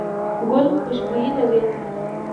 ګل خوشبويي لري.